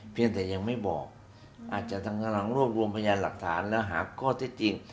เพียงแต่ยังไม่บอกอาจจะทางกำลังรวบรวมพยานหลักฐานและหาข้อเท็จจริง